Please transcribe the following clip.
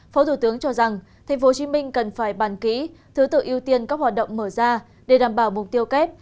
phó thủ tướng cho rằng tp hcm cần phải bàn kỹ thứ tự ưu tiên các hoạt động mở ra để đảm bảo mục tiêu kép